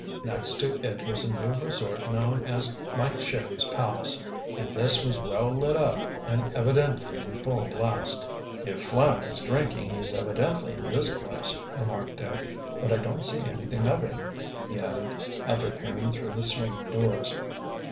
Next to it was a new resort known as Mike Sherry's Palace, and this was well lit up and evidently in full blast. "If Flapp is drinking he is evidently in this place," remarked Dick. "But I don't see anything of him," he added, after peering through the swinging doors.